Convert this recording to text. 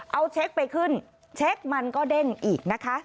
เอาเช็คไปขึ้นเช็คมันก็เด้งอีกนะคะ